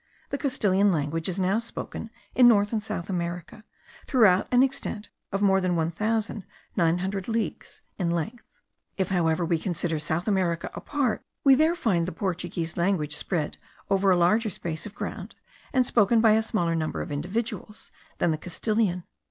The Castilian language is now spoken in North and South America throughout an extent of more than one thousand nine hundred leagues in length; if, however, we consider South America apart, we there find the Portuguese language spread over a larger space of ground, and spoken by a smaller number of individuals than the Castilian.